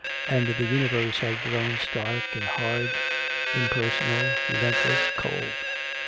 And the universe had grown stark and hard, impersonal, relentless, cold.